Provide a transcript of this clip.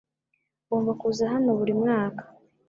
Ngomba kuza hano buri mwaka .